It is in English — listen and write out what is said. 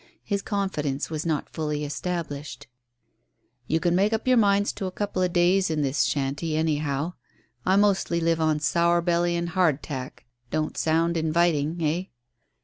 His confidence was not fully established. "You can make up your minds to a couple of days in this shanty anyhow. I mostly live on 'sour belly' and 'hard tack.' Don't sound inviting, eh?"